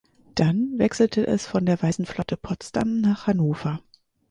Dann wechselte es von der Weißen Flotte Potsdam nach Hannover.